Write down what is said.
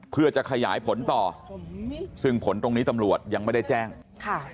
เพื่อจะขยายผลต่อซึ่งผลตรงนี้ตำรวจยังไม่ได้แจ้งค่ะ